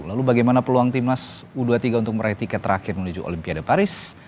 lalu bagaimana peluang timnas u dua puluh tiga untuk meraih tiket terakhir menuju olimpiade paris